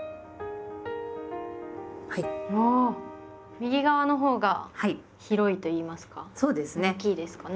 右側のほうが広いといいますか大きいですかね。